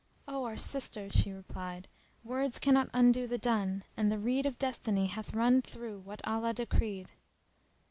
"O our sister," she replied, "Words cannot undo the done; and the reed of Destiny hath run through what Allah decreed."